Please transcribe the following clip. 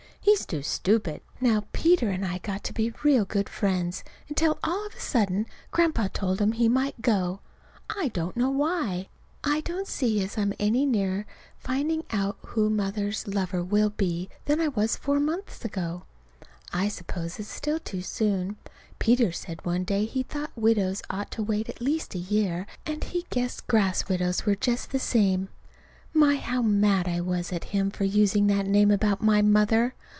He's too stupid. Now Peter and I got to be real good friends until all of a sudden Grandpa told him he might go. I don't know why. I don't see as I'm any nearer finding out who Mother's lover will be than I was four months ago. I suppose it's still too soon. Peter said one day he thought widows ought to wait at least a year, and he guessed grass widows were just the same. My, how mad I was at him for using that name about my mother!